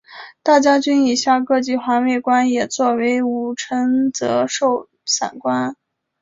大将军以下各级环卫官也作为武臣责授散官。